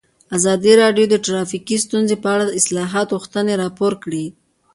ازادي راډیو د ټرافیکي ستونزې په اړه د اصلاحاتو غوښتنې راپور کړې.